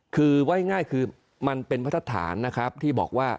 คือว่าง่ายคือมันเป็นพัทธานนะครับที่บอกว่า